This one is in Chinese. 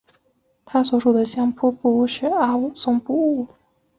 他所属的相扑部屋是阿武松部屋。